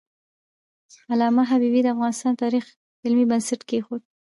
علامه حبیبي د افغانستان د تاریخ علمي بنسټ کېښود.